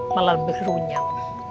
malah lebih runyam